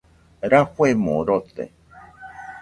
Rafuemo rote.